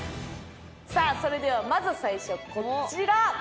さあそれではまず最初こちら。